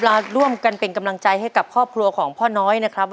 มาร่วมกันเป็นกำลังใจให้กับครอบครัวของพ่อน้อยนะครับ